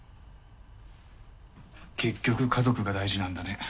結局家族が大事なんだね。